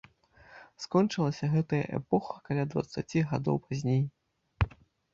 Скончылася гэтая эпоха каля дваццаці гадоў пазней.